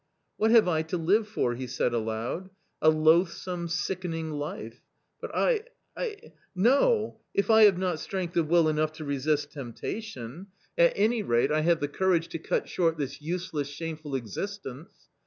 " What have I to live for ?" he said aloud, " a loathsome, sickening life ! But I — I .... no ! if I have not strength of will enough to resist temptation .... at any v/; 220 A COMMON STORY rate I have the courage to cut short this useless, shameful existence."